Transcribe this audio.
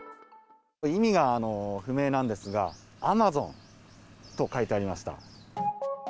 意味が不明なんですが、Ａｍａｚｏｎと書いてありました。